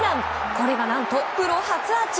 これが何とプロ初アーチ。